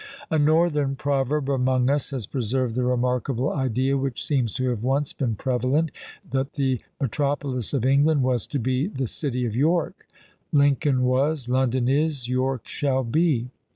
A northern proverb among us has preserved the remarkable idea which seems to have once been prevalent, that the metropolis of England was to be the city of York; _Lincoln was, London is, York shall be!